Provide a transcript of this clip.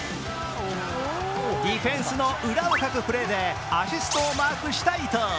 ディフェンスの裏をかくプレーでアシストをマークした伊東。